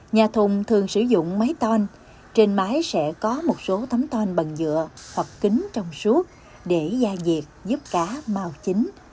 nhà thùng thường sử dụng máy ton trên máy sẽ có một số tấm ton bằng dựa hoặc kính trong suốt để gia diệt giúp cá mau chín